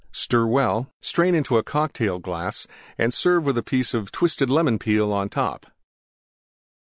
Stir well; strain into Cocktail glass and serve with a piece of twisted Lemon Peel on top.